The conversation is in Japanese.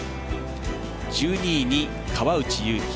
１２位に川内優輝。